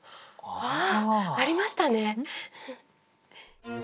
ああありましたね。